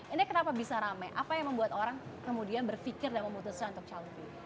ini kenapa bisa rame apa yang membuat orang kemudian berpikir dan memutuskan untuk caleg